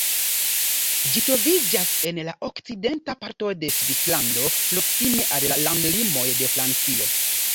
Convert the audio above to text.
Ĝi troviĝas en la okcidenta parto de Svislando proksime al la landlimoj de Francio.